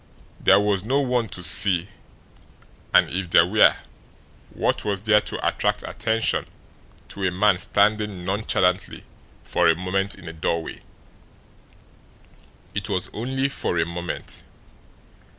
There was no one to see, and if there were, what was there to attract attention to a man standing nonchalantly for a moment in a doorway? It was only for a moment.